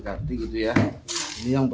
kalau pakai pasir yang digoreng nanti